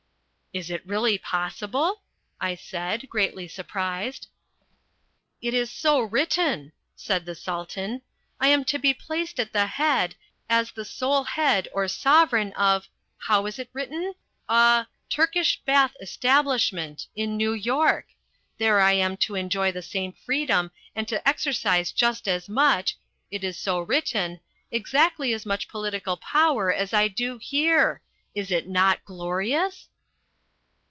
"Is it really possible?" I said, greatly surprised. "It is so written," said the Sultan. "I am to be placed at the head, as the sole head or sovereign of how is it written? a Turkish Bath Establishment in New York. There I am to enjoy the same freedom and to exercise just as much it is so written exactly as much political power as I do here. Is it not glorious?"